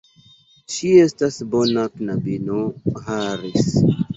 Ŝi estas bona knabino, Harris.